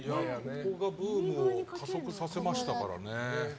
僕がブームを加速させましたからね。